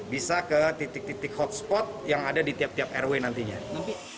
bisa ke titik titik hotspot yang ada di tiap tiap rw nantinya